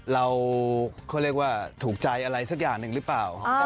เราเขาเรียกว่าถูกใจอะไรสักอย่างหนึ่งหรือเปล่า